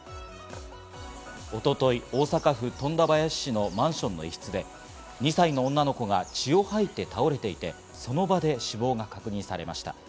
一昨日、大阪府富田林市のマンションの一室で、２歳の女の子が血を吐いて倒れていて、その場で死亡が確認されました。